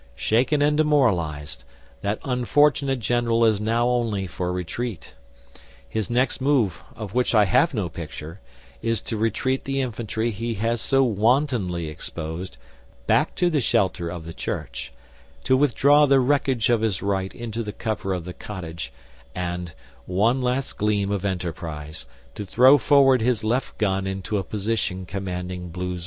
Shaken and demoralised, that unfortunate general is now only for retreat. His next move, of which I have no picture, is to retreat the infantry he has so wantonly exposed back to the shelter of the church, to withdraw the wreckage of his right into the cover of the cottage, and one last gleam of enterprise to throw forward his left gun into a position commanding Blue's right.